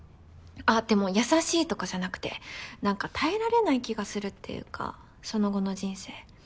あっでも優しいとかじゃなくて何か耐えられない気がするっていうかその後の人生。